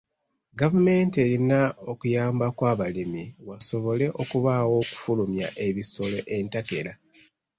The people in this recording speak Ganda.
Gavumenti erina okuyambako abalimi wasobole okubaawo okufulumya ebisolo entakera.